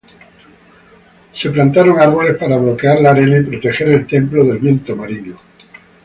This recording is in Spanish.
Se plantaron árboles para bloquear la arena y proteger el templo del viento marino.